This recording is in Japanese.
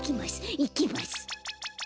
いきます。